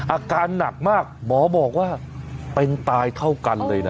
อาการหนักมากหมอบอกว่าเป็นตายเท่ากันเลยนะ